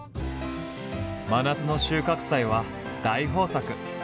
真夏の収穫祭は大豊作！